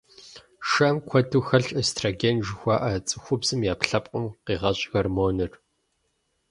Шэм куэду хэлъщ эстроген жыхуаӀэ, цӀыхубзым и Ӏэпкълъэпкъым къигъэщӀ гормоныр.